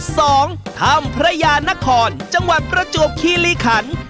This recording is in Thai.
สองถ้ำพระยานครจังหวัดประจวบคีรีขัน